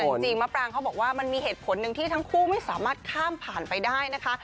แต่จริงมะปรางเขาบอกว่ามันมีเหตุผลหนึ่งที่ทั้งคู่ไม่สามารถข้ามผ่านไปได้นะคะ